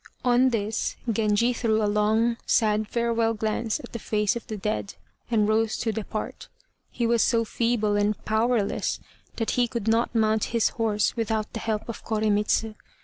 On this Genji threw a long sad farewell glance at the face of the dead, and rose to depart. He was so feeble and powerless that he could not mount his horse without the help of Koremitz.